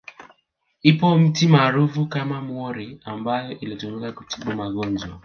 Ipo miti maarufu kama mwori ambayo ilitumika kutibu magonjwa